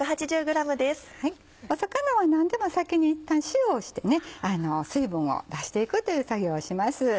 魚は何でも先にいったん塩をして水分を出していくという作業をします。